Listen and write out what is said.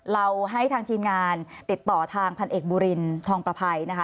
เราให้ทางทีมงานติดต่อทางพันเอกบุรินทองประภัยนะคะ